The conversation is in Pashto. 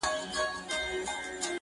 نه د ژړا نه د خندا خاوند دی.